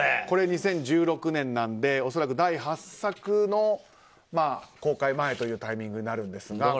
これ、２０１６年なので恐らく第８作の公開前というタイミングになるんですが。